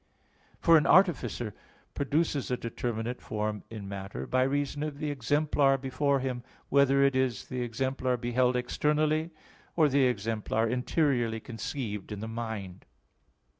For an artificer produces a determinate form in matter by reason of the exemplar before him, whether it is the exemplar beheld externally, or the exemplar interiorily conceived in the mind.